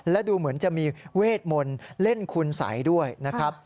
และดูเหมือนจะมีเวทมนต์เล่นคุณสัยด้วยนะครับ